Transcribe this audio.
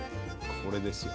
これですよ。